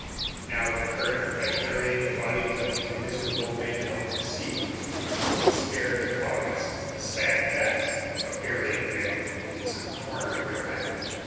Now the current, by carrying the bodies of these miserable men out to sea, would spare the colonists the sad task of burying them in some corner of their island.